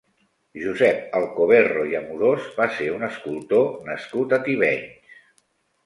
Josep Alcoverro i Amorós va ser un escultor nascut a Tivenys.